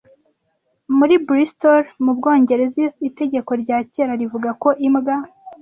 Muri Bristol mu Bwongereza itegeko rya kera rivuga ko imbwa